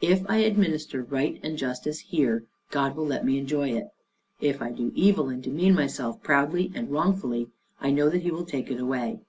"If I administer right and justice here, God will let me enjoy it; if I do evil, and demean myself proudly and wrongfully, I know that he will take it away.